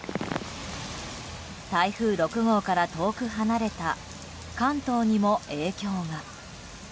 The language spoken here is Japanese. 台風６号から遠く離れた関東にも影響が。